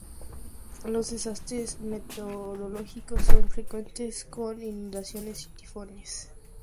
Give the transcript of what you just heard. Los desastres meteorológicos son frecuentes con inundaciones y tifones.